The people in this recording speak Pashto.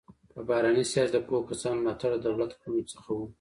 په بهرني سیاست کې د پوهو کسانو ملاتړ د دولت کړنو څخه و.